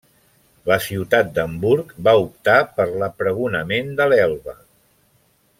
La ciutat d'Hamburg, va optar per a l'apregonament de l'Elba.